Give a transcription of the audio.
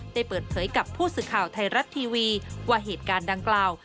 ได้เปิดเผยกับผู้สื่อข่าวไทยรัฐทีวีว่าเหตุการณ์ดังกล่าว